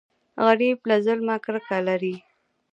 غریب له ظلمه کرکه لري